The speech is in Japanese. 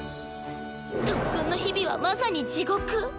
特訓の日々はまさに地獄。